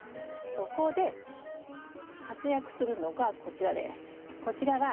そこで活躍するのがこちらです。